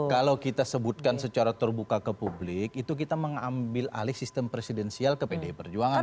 kalau kita sebutkan secara terbuka ke publik itu kita mengambil alih sistem presidensial ke pdi perjuangan